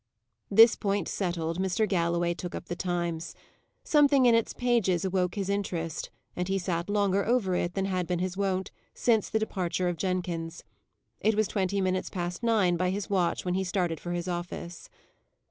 This point settled, Mr. Galloway took up the Times. Something in its pages awoke his interest, and he sat longer over it than had been his wont since the departure of Jenkins. It was twenty minutes past nine by his watch when he started for his office.